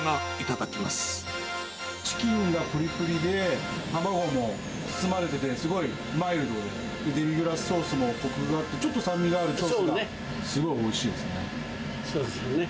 チキンがぷりぷりで、卵に包まれててすごいマイルドで、デミグラスソースのこくがあって、ちょっと酸味があるのがすごいおそうですよね。